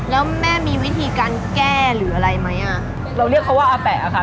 แล้วแม่มีวิธีการแก้หรืออะไรไหมอ่ะเราเรียกเขาว่าอาแปะอะค่ะ